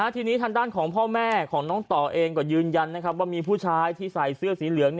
ทีนี้ทางด้านของพ่อแม่ของน้องต่อเองก็ยืนยันว่ามีผู้ชายที่ใส่เสื้อสีเหลือง